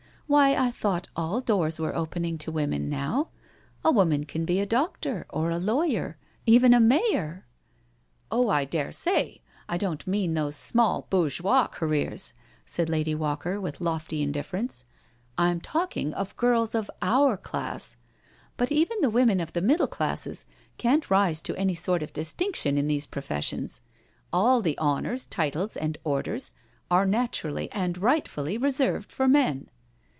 Why, I thought all doors were opening to women now— a woman can be a doctor, or a lawyer, even a mayor I" " Oh, I dare say. I don't mean those small boaf' geois careers," said Lady Walker, with lofty indiffer ence. " I'm talking of girls of our class— but even the women of the middle classes can't rise to any sort of distinction in these professions. All the honours, titles, and orders are naturally and rightly reserved for men."